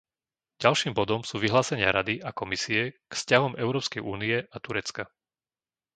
Ďalším bodom sú vyhlásenia Rady a Komisie k vzťahom Európskej únie a Turecka.